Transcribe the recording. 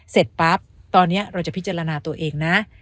เสร็จปั๊บตอนนี้เราจะพิจารณาตัวเองนะ